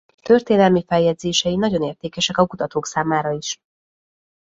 Történelmi feljegyzései nagyon értékesek a kutatók számára is.